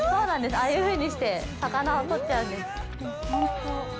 ああいうふうにして魚を取っちゃうんです。